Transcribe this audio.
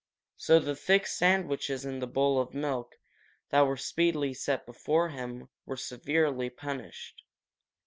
So the thick sandwiches and the bowl of milk that were speedily set before him were severely punished.